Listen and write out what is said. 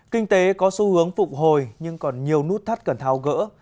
kinh tế có xu hướng phụng hồi nhưng còn nhiều nút thắt cần thao gỡ